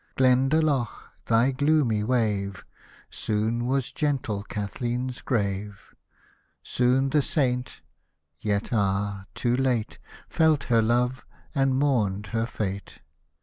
Glendalough, thy gloomy wave Soon was gentle Kathleen's grave ! Soon the Saint (yet ah ! too late,) Felt her love, and mourned her fate.